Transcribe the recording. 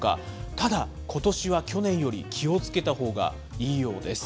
ただ、ことしは去年より気をつけたほうがいいようです。